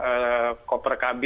jadi kita akan mempersiapkan diri